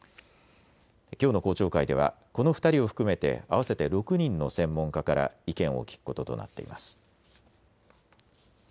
きょうの公聴会ではこの２人を含めて合わせて６人の専門家から意見を聞くこととなっています。